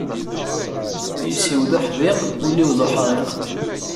Iles-iw d uḥdiq, ul-iw d uḥriq.